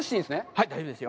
はい、大丈夫ですよ。